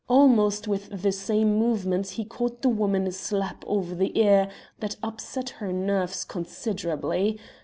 Almost with the same movement he caught the woman a slap over the ear that upset her nerves considerably.